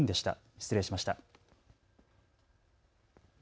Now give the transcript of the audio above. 失礼しました。